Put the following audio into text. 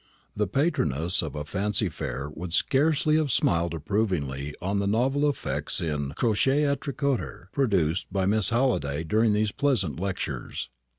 The patroness of a fancy fair would scarcely have smiled approvingly on the novel effects in crochet à tricoter produced by Miss Halliday during these pleasant lectures.